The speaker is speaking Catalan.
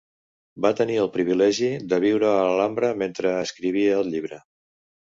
Va tenir el privilegi de viure a l'Alhambra mentre escrivia el llibre.